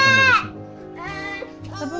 tapi maunya disuapin